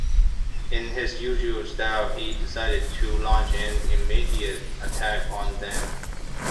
In his usual style he decided to launch an immediate attack on them.